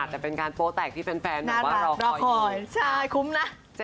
แต่เป็นการโปรแตกที่แฟนบอกว่ารอคอยใช่คุ้มนะ